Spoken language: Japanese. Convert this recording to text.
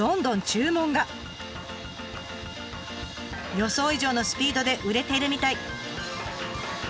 予想以上のスピードで売れてるみたい。